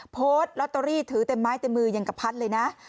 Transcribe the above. โพสต์ลอตเตอรี่ถือเต็มไม้เต็มมืออย่างกับพัดเลยนะ